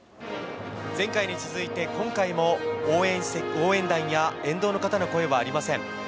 前回に続いて今回も応援団や沿道の方の声はありません。